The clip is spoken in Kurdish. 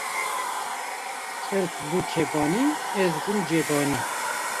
Xelk bû kebanî, ez bûm cebanî